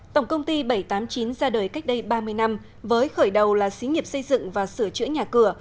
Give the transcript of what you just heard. tổng công ty bảy trăm tám mươi chín ra đời cách đây ba mươi năm với khởi đầu là xí nghiệp xây dựng và sửa chữa nhà cửa